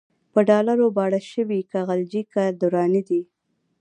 په ډالرو باړه شوی، که غلجی که درانی دی